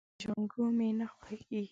جانکو مې نه خوښيږي.